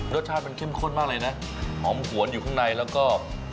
รสชาติมันเข้มข้นมากเลยนะหอมหวนอยู่ข้างในแล้วก็